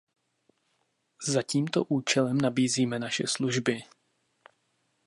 Za tímto účelem nabízíme naše služby.